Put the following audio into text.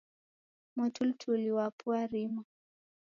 Mwatulituli wapu warima..